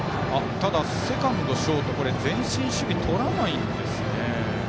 ただ、セカンド、ショート前進守備とらないんですね。